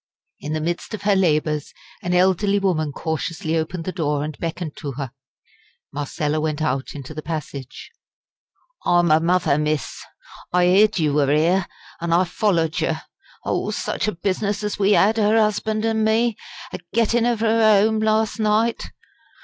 In the midst of her labours, an elderly woman cautiously opened the door and beckoned to her. Marcella went out into the passage. "I'm her mother, miss! I 'eered you were 'ere, an' I follered yer. Oh! such a business as we 'ad, 'er 'usband an' me, a gettin' of 'er 'ome last night.